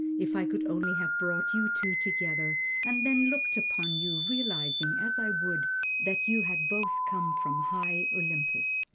If I could only have brought you two together and then looked upon you, realizing, as I would, that you had both come from High Olympus!